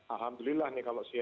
alhamdulillah nih kalau sih